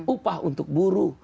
upah untuk buruh